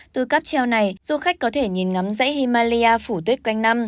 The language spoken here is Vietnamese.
từ cắp treo này du khách có thể nhìn ngắm dãy himalaya phủ tuyết quanh năm